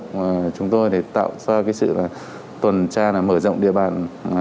vì vậy chúng tôi tạo ra sự tuần tra mở rộng địa bàn